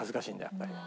やっぱり。